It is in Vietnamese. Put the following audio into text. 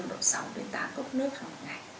độ sáu đến tám cốc nước hằng ngày